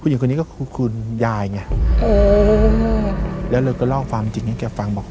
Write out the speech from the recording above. หญิงคนนี้ก็คือคุณยายไงแล้วเราก็เล่าความจริงให้แกฟังบอก